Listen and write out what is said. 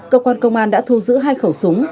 cơ quan công an đã thu giữ hai khẩu súng